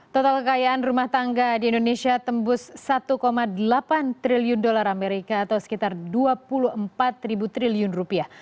total kekayaan rumah tangga di indonesia tembus satu delapan triliun dolar amerika atau sekitar dua puluh empat triliun rupiah